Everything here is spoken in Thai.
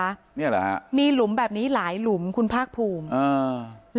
เนี่ยเหรอฮะมีหลุมแบบนี้หลายหลุมคุณภาคภูมิอ่า